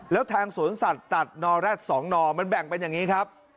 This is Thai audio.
แล้วทางสวนสัตว์ตัดนอแร็ด๒นอมันแบ่งเป็นอย่างนี้ครับ